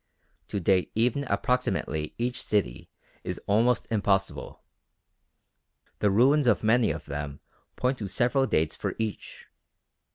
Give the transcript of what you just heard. To date even approximately each city is almost impossible. The ruins of many of them point to several dates for each.